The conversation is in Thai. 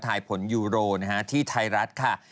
ถ่ายผลยูโรที่ไทยรัฐค่ะ